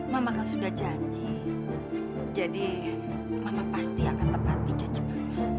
mama kan sudah janji jadi mama pasti akan tepat di jejaknya